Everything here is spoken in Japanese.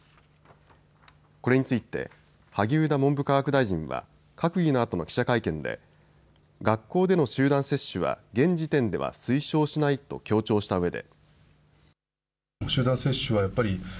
これについて萩生田文部科学大臣は閣議のあとの記者会見で学校での集団接種は現時点では推奨しないと強調したうえで。